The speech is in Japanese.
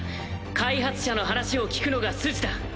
開発者の話を聞くのが筋だ。